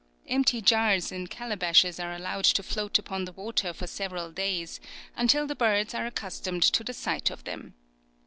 Empty jars and calabashes are allowed to float upon the water for several days, until the birds are accustomed to the sight of them.